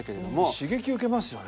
刺激受けますよね。